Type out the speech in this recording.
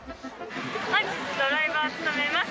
本日ドライバー務めます。